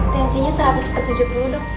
tensinya satu ratus tujuh puluh dok